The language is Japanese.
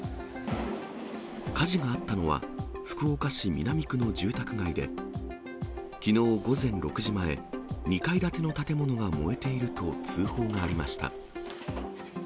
火事があったのは、福岡市南区の住宅街で、きのう午前６時前、２階建ての建物が燃えていると通報がありました。